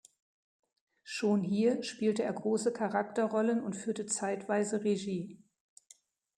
Schon hier spielte er große Charakterrollen und führte zeitweise Regie.